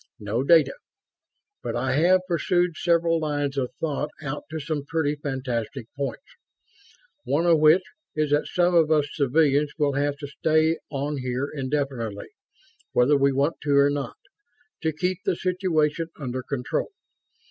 No data. But I have pursued several lines of thought out to some pretty fantastic points ... one of which is that some of us civilians will have to stay on here indefinitely, whether we want to or not, to keep the situation under control.